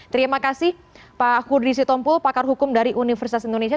terima kasih pak kudri sitompul pakar hukum dari universitas indonesia